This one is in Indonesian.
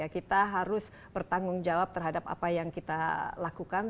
kita harus bertanggung jawab terhadap apa yang kita lakukan